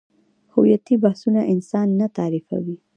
هویتي بحثونه انسان نه تعریفوي.